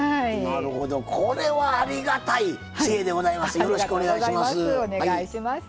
これはありがたい知恵でございます。